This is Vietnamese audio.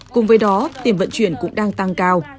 cùng với đó tiền vận chuyển cũng đang tăng cao